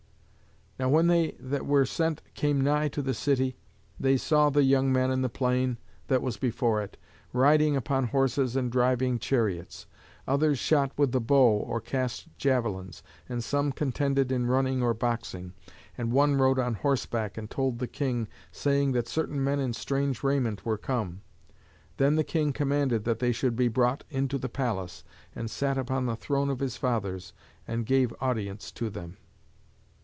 Now when they that were sent came nigh to the city, they saw the young men in the plain that was before it, riding upon horses and driving chariots. Others shot with the bow or cast javelins, and some contended in running or boxing. And one rode on horseback and told the king, saying that certain men in strange raiment were come. Then the king commanded that they should be brought into the palace, and sat upon the throne of his fathers, and gave audience to them.